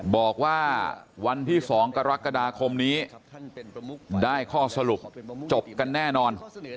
บอกว่าวันที่๒กรกฎาคมนี้ได้ข้อสรุปจบกันแน่นอน